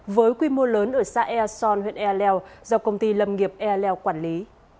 với quy mô lớn ở xã airson huyện e leo do công ty lâm nghiệp e leo quản lý